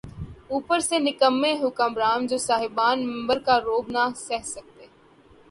اوپر سے نکمّے حکمران‘ جو صاحبان منبر کا رعب نہ سہہ سکتے۔